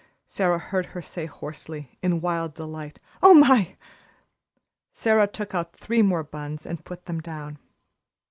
Sara heard her say hoarsely, in wild delight. "Oh, my!" Sara took out three more buns and put them down.